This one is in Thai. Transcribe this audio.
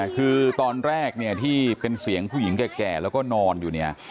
คือตอนแรกเนี่ยที่เป็นเสียงผู้หญิงแก่แล้วก็นอนอยู่เนี่ย